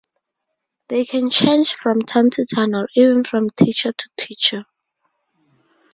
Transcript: They can change from town-to-town or even from teacher-to-teacher.